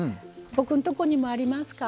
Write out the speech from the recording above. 僕のところにもありますか？